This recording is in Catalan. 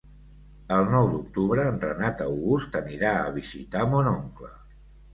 El nou d'octubre en Renat August anirà a visitar mon oncle.